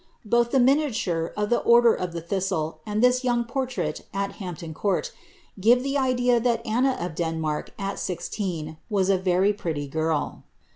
Both the miniature of the Order of the Thistle, and this young portrait at Hampton Court, give the idea that Anna of Denmark, at sixteen, was a very pretty girl.